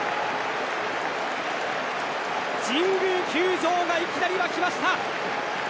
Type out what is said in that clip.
神宮球場がいきなり沸きました！